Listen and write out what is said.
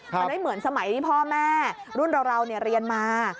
มันไม่เหมือนสมัยที่พ่อแม่รุ่นเราเรียนมา